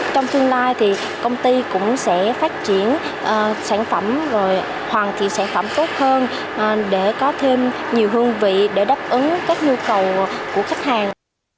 trong tương lai thì công ty cũng sẽ phát triển sản phẩm hoàn thiện sản phẩm tốt hơn để có thêm nhiều hương vị để đáp ứng các nhu cầu của khách hàng